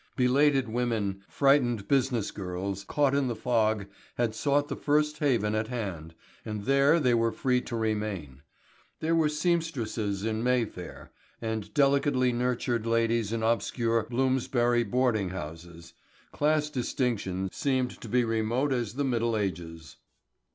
Belated women, frightened business girls, caught in the fog had sought the first haven at hand, and there they were free to remain. There were sempstresses in Mayfair, and delicately nurtured ladies in obscure Bloomsbury boarding houses. Class distinction seemed to be remote as the middle ages.